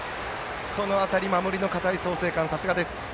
この辺り守りの堅い創成館流石です。